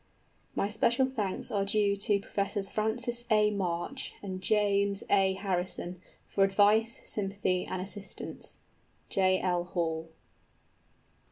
My special thanks are due to Professors Francis A. March and James A. Harrison, for advice, sympathy, and assistance. J.L.